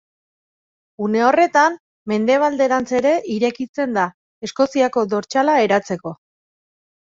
Une horretan, mendebalderantz ere irekitzen da, Eskoziako dortsala eratzeko.